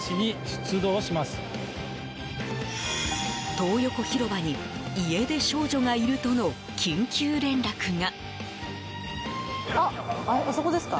トー横広場に家出少女がいるとの緊急連絡が。